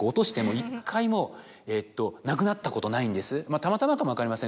たまたまかも分かりません